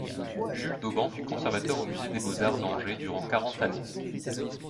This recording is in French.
Jules Dauban fut conservateur au musée des beaux-arts d'Angers durant quarante années.